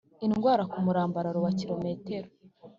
Indwara ku murambararo wa kilometero